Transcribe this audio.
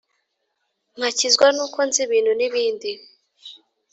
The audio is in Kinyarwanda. ngakizwa n'uko nzi ibintu n'ibindi